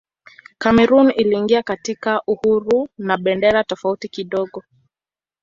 Kamerun iliingia katika uhuru na bendera tofauti kidogo.